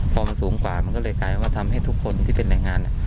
พอมันสูงกว่ามันก็เลยกลายว่าทำให้ทุกคนที่เป็นแรงงาน